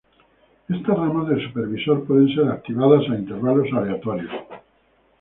Estas ramas del supervisor pueden ser activadas a intervalos aleatorios.